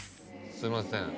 すいません